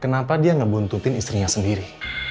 kenapa dia ngebuntutin istrinya sendiri